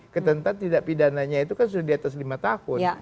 ketentan tidak pidananya itu kan sudah diatas lima tahun